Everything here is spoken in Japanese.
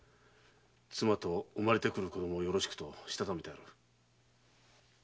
「妻と産まれてくる子供をよろしく」としたためてある。